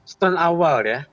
setelah awal ya